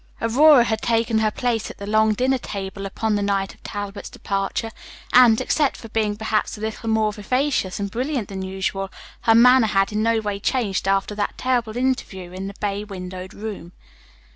Aurora had taken her place at the long dinner table upon the night of Talbot's departure, and, except for being perhaps a little more vivacious and brilliant than usual, her manner had in no way changed after that terrible interview in the bay windowed room.